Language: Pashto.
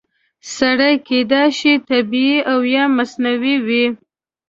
سرې کیدای شي طبیعي او یا مصنوعي وي.